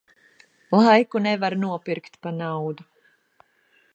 Laiku nevar nopirkt pa naudu.